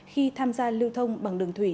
khi tham gia lưu thông bằng đường thủy